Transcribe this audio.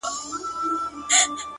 ککرۍ يې دي رېبلي دې بدرنگو ککریو ـ